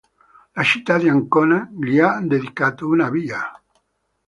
La città di Ancona gli ha dedicato una via.